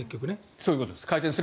そういうことです。